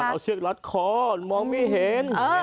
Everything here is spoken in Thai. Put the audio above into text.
เอาเชือกรัดคอมองไม่เห็น